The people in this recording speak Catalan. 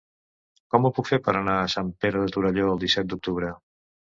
Com ho puc fer per anar a Sant Pere de Torelló el disset d'octubre?